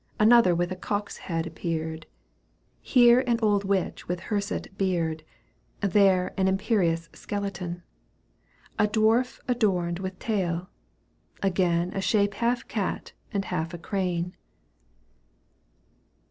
Another with cock^s head appeared. Here an old witch with hirsute beard, There an imperious skeleton ; A dwarf adorned with tail, again A shape half cat and half a crane.